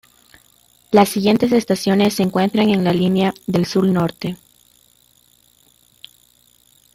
Las siguientes estaciones se encuentran en la línea, de sur a norte.